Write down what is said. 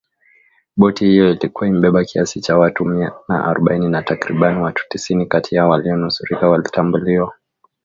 Boti hiyo ilikuwa imebeba kiasi cha watu mia na arobaini na takribani watu tisini kati yao walionusurika walitambuliwa